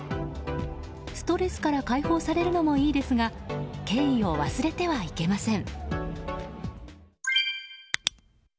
ストレスから解放されるのもいいですが敬意を忘れてはいけません。